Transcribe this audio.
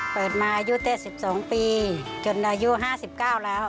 เปิดมาอายุแต่๑๒ปีจนอายุ๕๙แล้ว